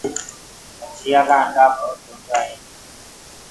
مڇيآ ڪآ آنڊآ ڀوت هوندآ هينٚ۔